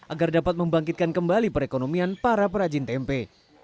agar dapat membangkitkan kembali perekonomian para perajin tempe